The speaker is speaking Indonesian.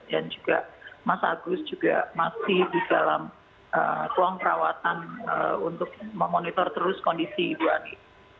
dan juga mas agus juga masih di dalam ruang perawatan untuk memonitor terus kondisi bu ani